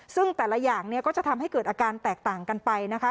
ซึ่งแต่ละอย่างเนี่ยก็จะทำให้เกิดอาการแตกต่างกันไปนะคะ